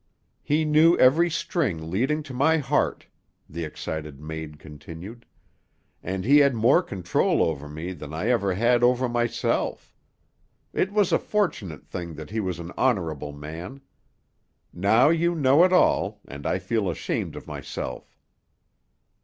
"He knew every string leading to my heart," the excited maid continued, "and he had more control over me than I ever had over myself. It was a fortunate thing that he was an honorable man. Now you know it all, and I feel ashamed of myself."